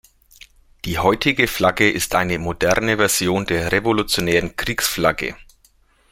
Die heutige Flagge ist eine moderne Version der revolutionären Kriegsflagge.